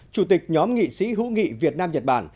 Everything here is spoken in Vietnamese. chủ tịch nhóm nghị sĩ hữu nghị việt nam nhật bản